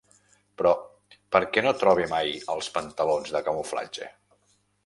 Però per què no trobe mai els pantalons de camuflatge?